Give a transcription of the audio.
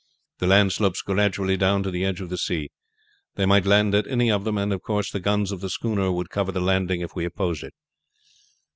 The land slopes gradually down to the edge of the sea. They might land at any of them, and of course the guns of the schooner would cover the landing if we opposed it."